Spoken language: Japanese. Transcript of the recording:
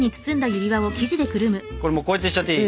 これもうこうやってしちゃっていい？